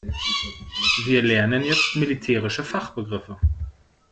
Wir lernen jetzt militärische Fachbegriffe.